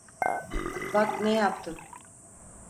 Bak ne yaptım.